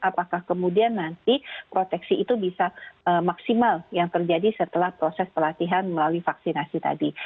apakah kemudian nanti proteksi itu bisa maksimal yang terjadi setelah proses pelatihan melalui vaksinasi tadi